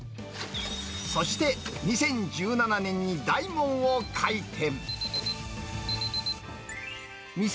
そして２０１７年に大門を開店。